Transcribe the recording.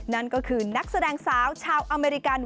นั่นก็คือนักแสดงสาวชาวอเมริกัน